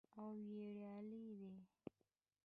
او ویاړلې ده.